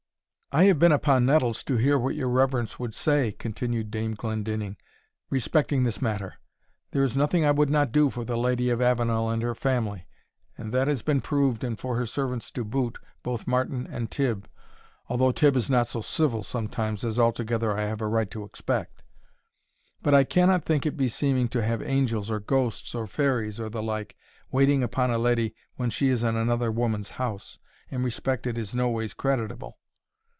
"I have been upon nettles to hear what your reverence would say," continued Dame Glendinning, "respecting this matter There is nothing I would not do for the Lady of Avenel and her family, and that has been proved, and for her servants to boot, both Martin and Tibb, although Tibb is not so civil sometimes as altogether I have a right to expect; but I cannot think it beseeming to have angels, or ghosts, or fairies, or the like, waiting upon a leddy when she is in another woman's house, in respect it is no ways creditable.